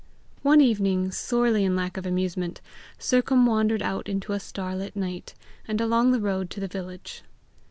One evening, sorely in lack of amusement, Sercombe wandered out into a star lit night, and along the road to the village.